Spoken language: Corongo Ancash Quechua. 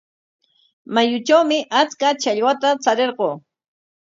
Mayutrawmi achka challwata charirquu.